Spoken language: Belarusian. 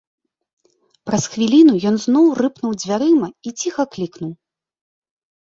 Праз хвіліну ён зноў рыпнуў дзвярыма і ціха клікнуў.